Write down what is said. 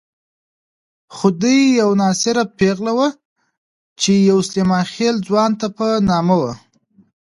خدۍ یوه ناصره پېغله وه چې يو سلیمان خېل ځوان ته په نامه وه.